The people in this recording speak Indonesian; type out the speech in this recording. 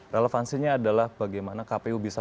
relevansinya adalah bagaimana kpu bisa